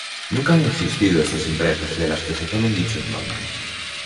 Nunca han existido estas empresas de las que se tomen dichos nombres.